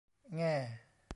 แง่